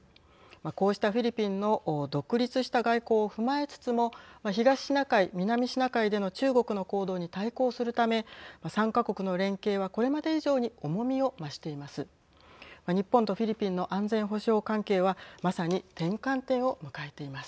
こうしたフィリピンの独立した外交を踏まえつつも東シナ海、南シナ海での中国の行動に対抗するため３か国の連携はこれまで以上に重みを増しています。